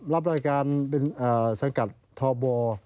รับรายการเป็นสังกัดทบ